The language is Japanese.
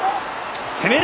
攻める。